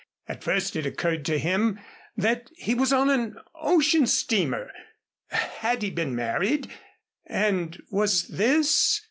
At first it occurred to him that he was on an ocean steamer. Had he been married, and was this